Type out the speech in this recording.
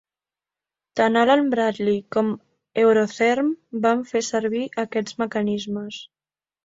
Tant Allen Bradley com Eurotherm van fer servir aquests mecanismes.